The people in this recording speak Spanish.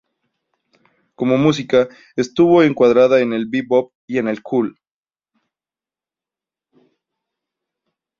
Cómo música, estuvo encuadrada en el bebop y el cool.